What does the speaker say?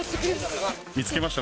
見つけました？